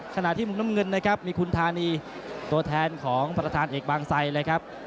ขณะที่มุมน้ำเงินนะครับมีคุณธานีตัวแทนของประธานเอกบางไซเลยครับ